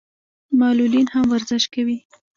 معلولین هم ورزش کوي.